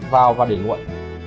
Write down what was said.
vào và để nguội